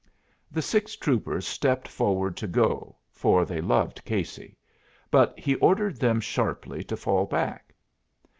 The six troopers stepped forward to go, for they loved Casey; but he ordered them sharply to fall back.